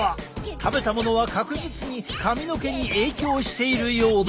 食べたものは確実に髪の毛に影響しているようだ！